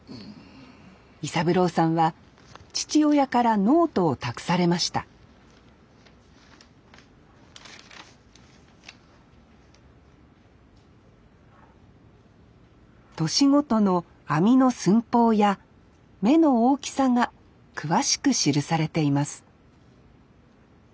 伊三郎さんは父親からノートを託されました年ごとの網の寸法や目の大きさが詳しく記されています